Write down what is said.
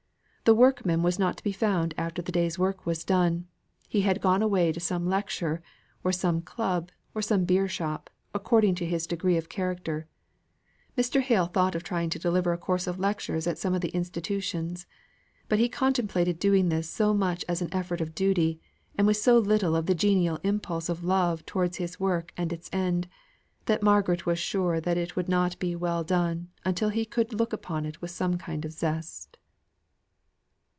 The workman was not to be found after the day's work was done; he had gone away to some lecture, or some club, or some beershop, according to his degree of character. Mr. Hale thought of trying to deliver a course of lectures at some of the institutions, but he contemplated doing this so much as an effort of duty, and with so little of the genial impulse of love towards his work and its end, that Margaret was sure that it would not be well done until he could look upon it with some kind of zest.